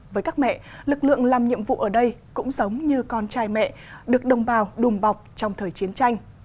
với các mẹ lực lượng làm nhiệm vụ ở đây cũng giống như con trai mẹ được đồng bào đùm bọc trong thời chiến tranh